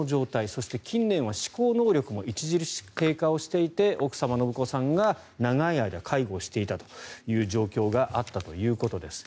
そして近年は思考能力も著しく低下していて奥様、延子さんが長い間介護をしていたという状況があったということです。